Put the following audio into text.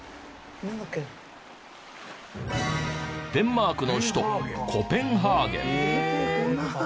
デンマークの首都コペンハーゲン。